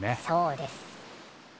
そうです。